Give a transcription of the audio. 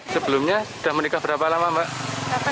sebelumnya sudah menikah berapa lama mbak